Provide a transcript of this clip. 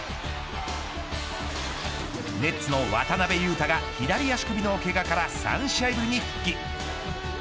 ネッツの渡邊雄太が左足首のけがから３試合ぶりに復帰。